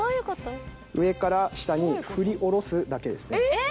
上から下に振り下ろすだけですね。